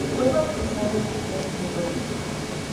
Fue bautizada en la fe metodista.